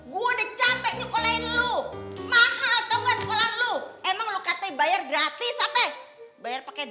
gua udah capek nyukulin lu mahal tau ga sekolah lu emang lu kate bayar gratis apeng bayar pakai